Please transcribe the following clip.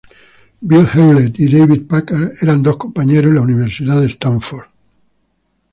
Bill Hewlett y David Packard eran dos compañeros en la universidad de Stanford.